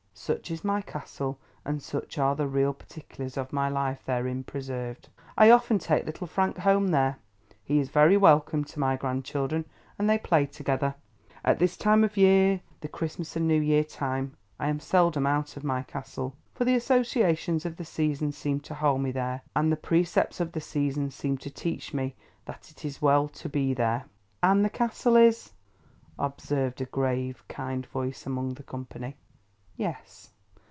Such is my Castle, and such are the real particulars of my life therein preserved. I often take Little Frank home there. He is very welcome to my grandchildren, and they play together. At this time of the year—the Christmas and New Year time—I am seldom out of my Castle. For, the associations of the season seem to hold me there, and the precepts of the season seem to teach me that it is well to be there. "And the Castle is—" observed a grave, kind voice among the company. "Yes.